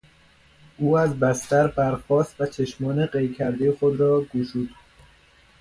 او از بستر برخاست و چشمان قی کردهی خود را گشود.